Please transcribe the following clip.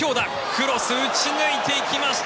クロス、打ち抜いていきました